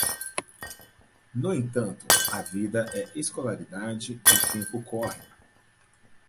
No entanto, a vida é escolaridade, o tempo corre.